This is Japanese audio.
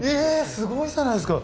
すごいじゃないですか！